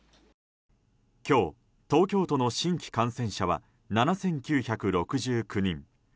今日、東京都の新規感染者は７９６９人。